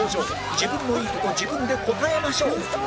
自分のいいとこ自分で答えましょう